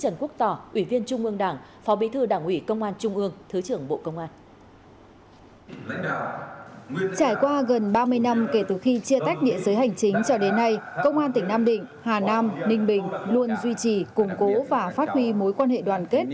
cảnh chính cho đến nay công an tỉnh nam định hà nam ninh bình luôn duy trì củng cố và phát huy mối quan hệ đoàn kết